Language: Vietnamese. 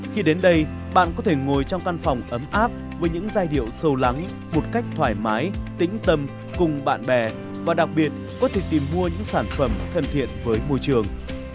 khi đến đây bạn có thể ngồi trong căn phòng ấm áp với những giai điệu sâu lắng một cách thoải mái tĩnh tâm cùng bạn bè và đặc biệt có thể tìm mua những sản phẩm thân thiện với môi trường